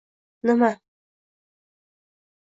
Nima